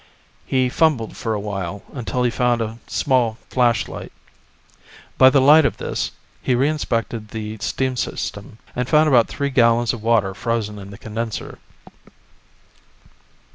He fumbled for a while, until he found a small flashlight. By the light of this, he reinspected the steam system, and found about three gallons of water frozen in the condenser.